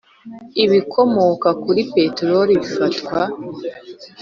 ibikomoka kuri peteroli bifatwa